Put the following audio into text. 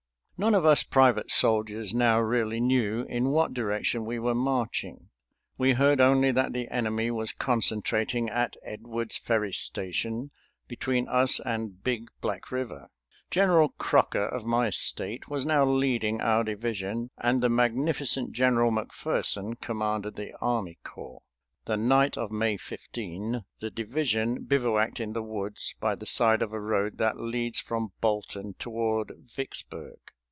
None of us private soldiers now really knew in what direction we were marching. We heard only that the enemy was concentrating at Edwards Ferry Station, between us and Big Black River. General Crocker of my State was now leading our division, and the magnificent General McPherson commanded the army corps. The night of May 15 the division bivouacked in the woods by the side of a road that leads from Bolton toward Vicksburg.